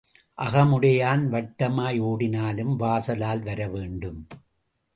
அகமுடையான் வட்டமாய் ஓடினாலும் வாசலால் வரவேண்டும்.